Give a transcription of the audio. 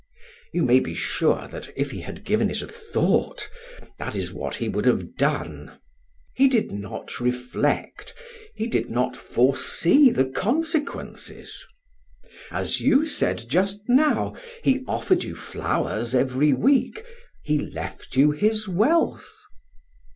You may be sure that if he had given it a thought, that is what he would have done. He did not reflect he did not foresee the consequences. As you said just now, he offered you flowers every week, he left you his wealth."